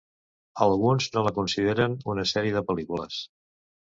Alguns no la consideren una sèrie de pel·lícules.